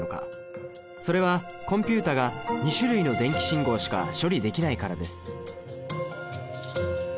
それはコンピュータが２種類の電気信号しか処理できないからです